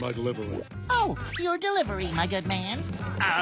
ああ！